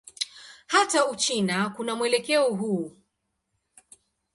Hata Uchina kuna mwelekeo huu.